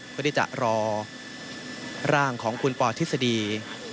เพื่อที่จะรอร่างของคุณปอทฤษฎี